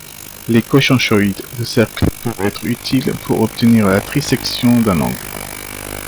Les conchoïdes de cercle peuvent être utiles pour obtenir la trisection d'un angle.